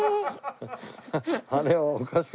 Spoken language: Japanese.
あれはおかしかった。